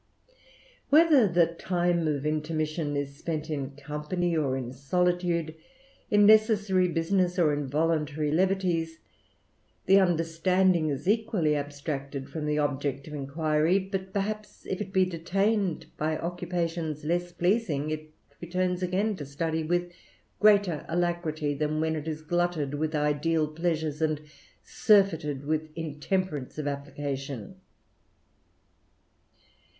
Whether the time of intermission is spent in company, or in sohtude, in necessary business, or in voluntary levities, the understanding is equally abstracted from the object of inquiry ; but perhaps, if it be detained by occupations less pleasing, it returns again to study with greater alacrity, than when it is glutted with ideal pleasures, and surfeited with intemperance of application.